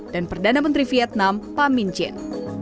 dan perdana menteri vietnam pak min chin